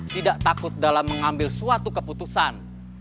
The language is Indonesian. tidak takut dalam mengambil suatu keputusan